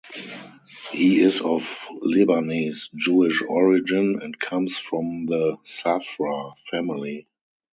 He is of Lebanese Jewish origin, and comes from the Safra family.